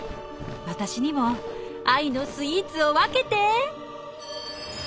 私にも愛のスイーツを分けて！